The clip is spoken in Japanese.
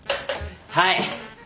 はい！